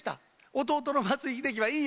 弟の松井秀喜は、いいよ